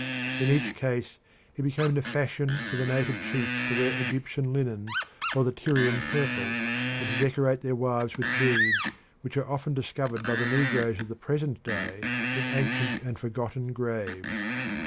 In each case it became the fashion for the native chiefs to wear Egyptian linen or the Tyrian purple, and to decorate their wives with beads which are often discovered by the negroes of the present day in ancient and forgotten graves.